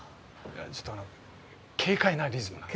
ちょっとあの軽快なリズムのやつを。